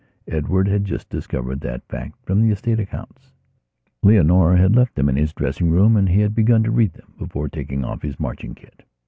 Edward had just discovered that fact from the estate accounts. Leonora had left them in his dressing room and he had begun to read them before taking off his marching kit.